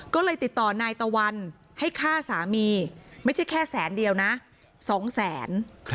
ก็เลยติดต่อนายตะวันให้ฆ่าสามีไม่ใช่แค่แสนเดียวนะ๒แสน